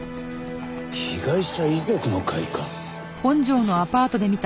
被害者遺族の会か。